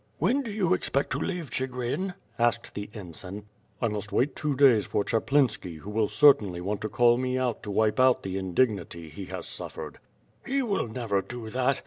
"When do you expect to leave Chigrin?" asked the ensign. "I must wait two days for Chaplinski, who will certainly want to call me out to wipe out the indignity he has suf fered." "He will never do that.